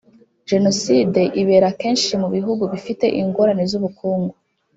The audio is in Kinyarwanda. Jenoside ibera kenshi mu bihugu bifite ingorane z ubukungu